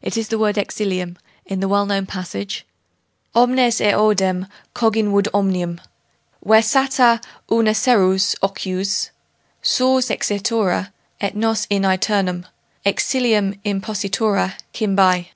It is the word 'exilium' in the well known passage Omnes eodem cogimur, omnium Versatur urna serius ocius Sors exitura et nos in aeternum Exilium impositura cymbae.